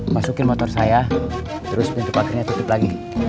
masukin motor saya terus pintu pagarnya tutup lagi